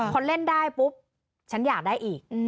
พอเล่นได้ปุ๊บฉันอยากได้อีก